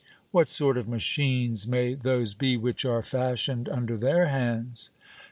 What sort of machines may those be which are fashioned under their hands ?